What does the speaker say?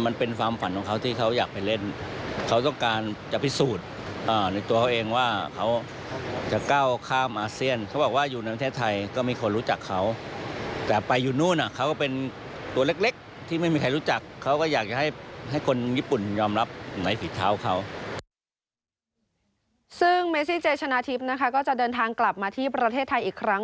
ไม้ผิดเท้าเขาซึ่งเมซิเจชนะทิพย์นะคะก็จะเดินทางกลับมาที่ประเทศไทยอีกครั้ง